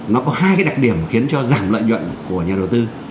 nó có hai cái đặc điểm khiến cho giảm lợi nhuận của nhà đầu tư